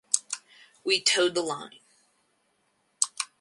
We toed the line.